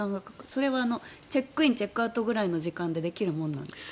それはチェックインチェックアウトの時間くらいでできるものなんですか？